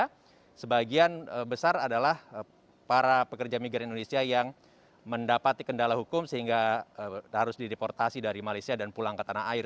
karena sebagian besar adalah para pekerja migran indonesia yang mendapati kendala hukum sehingga harus dideportasi dari malaysia dan pulang ke tanah air